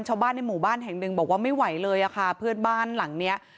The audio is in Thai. ชาวบ้านในหมู่บ้านแห่งหนึ่งบอกว่าไม่ไหวเลยอะค่ะเพื่อนบ้านหลังเนี้ย